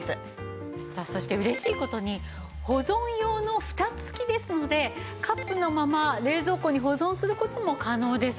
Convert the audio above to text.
そして嬉しい事に保存用のふた付きですのでカップのまま冷蔵庫に保存する事も可能です。